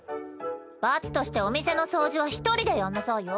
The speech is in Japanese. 罰としてお店の掃除は１人でやんなさいよ。